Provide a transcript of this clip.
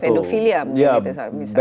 pedofilia mungkin misalnya